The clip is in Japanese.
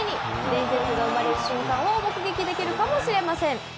伝説が生まれる瞬間を目撃できるかもしれません。